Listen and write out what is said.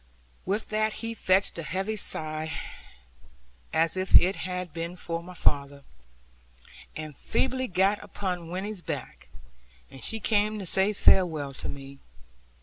With that he fetched a heavy sigh, as if it had been for my father; and feebly got upon Winnie's back, and she came to say farewell to me.